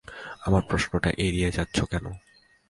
আমার প্রশ্নটা এড়িয়ে যাচ্ছো কেন?